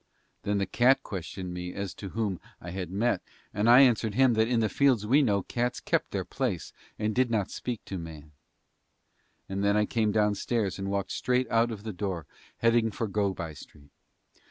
Then the cat questioned me as to whom I had met, and I answered him that in the fields we know cats kept their place and did not speak to man. And then I came downstairs and walked straight out of the door, heading for Go by Street.